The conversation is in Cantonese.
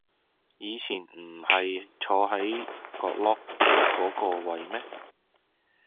以前唔喺坐喺角落嗰個位咩